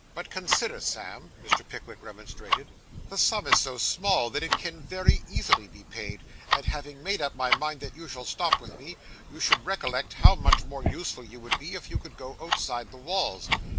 'But consider, Sam,' Mr. Pickwick remonstrated, 'the sum is so small that it can very easily be paid; and having made up my mind that you shall stop with me, you should recollect how much more useful you would be, if you could go outside the walls.